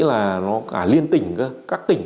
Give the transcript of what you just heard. là nó cả liên tỉnh các tỉnh